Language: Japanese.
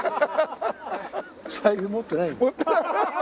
財布持ってない。